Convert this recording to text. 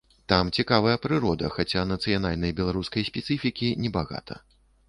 Там цікавая прырода, хаця нацыянальнай, беларускай спецыфікі небагата.